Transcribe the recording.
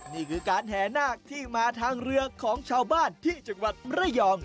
นี่คือการแห่นาคที่มาทางเรือของชาวบ้านที่จังหวัดระยอง